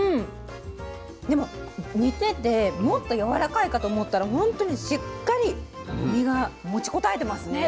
でも煮ててもっとやわらかいかと思ったら本当にしっかり実が持ちこたえてますね。